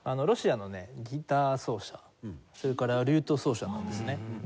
ロシアのねギター奏者それからリュート奏者なんですね。